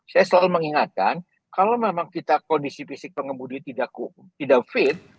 saya selalu mengingatkan kalau memang kita kondisi fisik pengemudi tidak fit